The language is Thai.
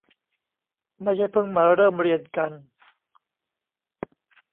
ไม่ใช่เพิ่งมาเริ่มเรียนกัน